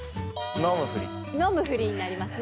飲むふりになりますね。